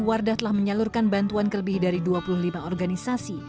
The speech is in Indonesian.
wardah telah menyalurkan bantuan kelebih dari dua puluh lima organisasi